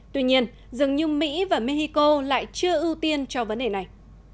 tuy nhiên dường như mỹ và mexico lại chưa ưu tiên cho vấn đề này